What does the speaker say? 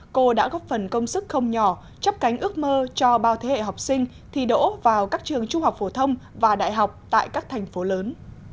cô đã góp phần công sức không nhỏ chấp cánh ước mơ cho bao thế hệ học sinh thi đỗ vào các trường trung học phổ thông và đại học tại các thành phố lớn